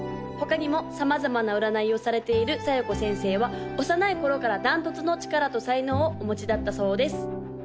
他にも様々な占いをされている小夜子先生は幼い頃から断トツの力と才能をお持ちだったそうです